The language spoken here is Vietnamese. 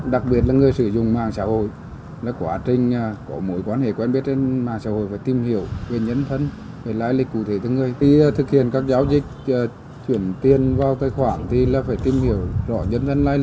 đặc biệt là người sử dụng mạng xã hội quá trình mối quan hệ quen biết trên mạng xã hội